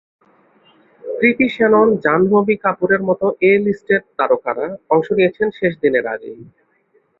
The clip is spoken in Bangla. কৃতি শ্যানন, জাহ্নবী কাপুরের মতো ‘এ লিস্টেড’ তারকারা অংশ নিয়েছেন শেষ দিনের আগেই।